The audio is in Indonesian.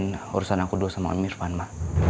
nanti aku mau selesain urusan aku dulu sama om irfan ma